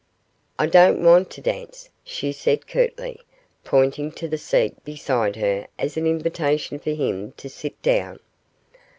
'I don't want to dance,' she said curtly, pointing to the seat beside her as an invitation for him to sit down.